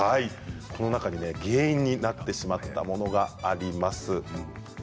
この中に原因となってしまったものがあります。